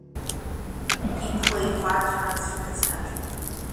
He played five times for his country.